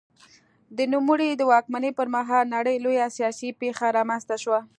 د نوموړي د واکمنۍ پر مهال د نړۍ لویه سیاسي پېښه رامنځته شوه.